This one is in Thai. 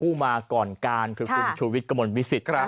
ผู้มาก่อนการคือคุณชูวิทย์กระมวลวิสิต